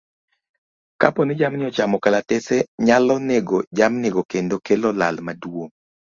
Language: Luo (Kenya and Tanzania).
Kapo ni jamni ochamo kalatese nyalo nego jamnigo kendo kelo lal maduong'.